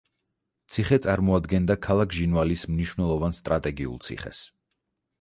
ციხე წარმოადგენდა ქალაქ ჟინვალის მნიშვნელოვან სტრატეგიულ ციხეს.